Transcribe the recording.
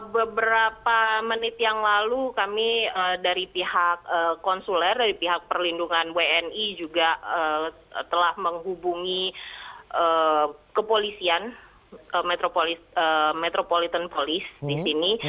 beberapa menit yang lalu kami dari pihak konsuler dari pihak perlindungan wni juga telah menghubungi kepolisian metropolitan police di sini